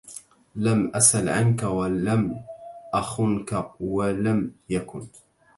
لم أسل عنك ولم أخنك ولم يكن